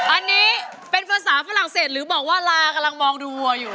อันนี้เป็นภาษาฝรั่งเศสหรือบอกว่าลากำลังมองดูวัวอยู่